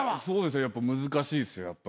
そうですねやっぱ難しいっすよ